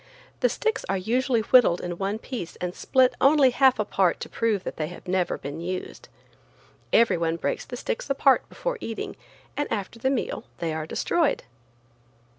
The sticks are usually whittled in one piece and split only half apart to prove that they have never been used. Every one breaks the sticks apart before eating, and after the meal they are destroyed.